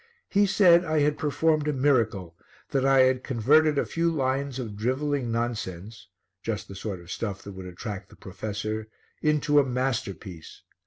He said I had performed a miracle, that I had converted a few lines of drivelling nonsense just the sort of stuff that would attract the professor into a masterpiece.